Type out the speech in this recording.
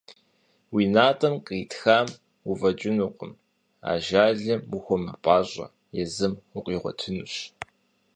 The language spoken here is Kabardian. Уи натӀэм къритхам уфӀэкӀынукъым, ажалым ухуэмыпӀащӀэ, езым укъигъуэтынущ.